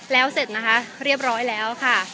แล้วเสร็จนะคะเรียบร้อยแล้วค่ะ